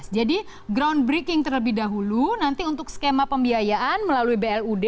jadi groundbreaking terlebih dahulu nanti untuk skema pembiayaan melalui blud